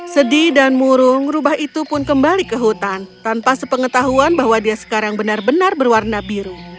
sedih dan murung rubah itu pun kembali ke hutan tanpa sepengetahuan bahwa dia sekarang benar benar berwarna biru